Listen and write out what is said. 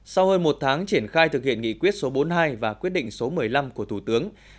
sau hơn một tháng triển khai thực hiện nghị quyết số bốn mươi hai và quyết định số một mươi năm của thủ tướng